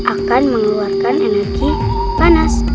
akan mengeluarkan energi panas